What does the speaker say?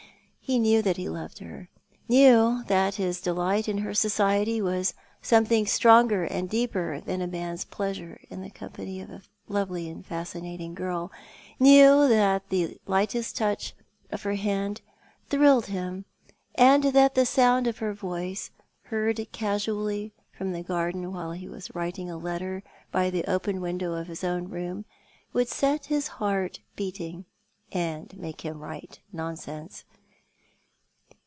He knew that he loved her — knew that his delight in her society was something stronger and deeper than a man's pleasure in the company of a lovely and fascinating girl — knew that the lightest touch of her hand thrilled him, that the sound of her voice, heard casually from the garden while he was writing a letter by the open window of his own room, would set his heart beating and make him write nonsense.